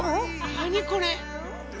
何これ！